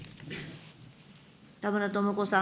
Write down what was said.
田村智子さん。